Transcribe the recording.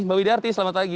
mbak widyarti selamat pagi